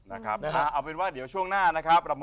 นะครับเอาเป็นว่าเดี๋ยวช่วงหน้านะครับ